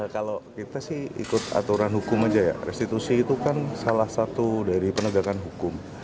kalau kita ikut aturan hukum saja restitusi itu salah satu dari penegakan hukum